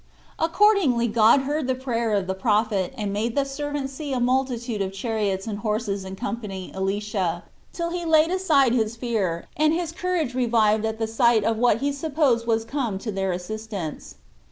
Accordingly God heard the prayer of the prophet, and made the servant see a multitude of chariots and horses encompassing Elisha, till he laid aside his fear, and his courage revived at the sight of what he supposed was come to their assistance.